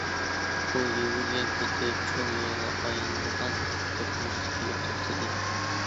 ئۇ يۈگۈرگەن پېتى چوڭ يولغا ئايلىنىدىغان دوقمۇشقا كېلىپ توختىدى.